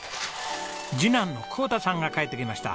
次男の航太さんが帰ってきました。